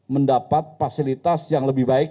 mendapat fasilitas yang lebih baik